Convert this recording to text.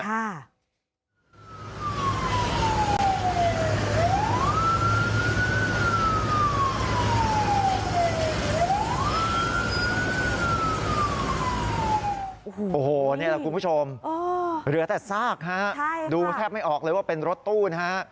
โอ้โฮนี่แหละคุณผู้ชมเหลือแต่ซากฮะดูแทบไม่ออกเลยว่าเป็นรถตู้นะฮะโอ้โฮนี่แหละคุณผู้ชมเหลือแต่ซากฮะดูแทบไม่ออกเลยว่าเป็นรถตู้นะฮะ